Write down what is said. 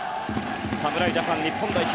侍ジャパン、日本代表